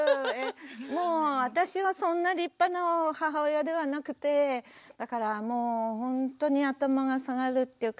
もう私はそんな立派な母親ではなくてだからもうほんとに頭が下がるっていうか。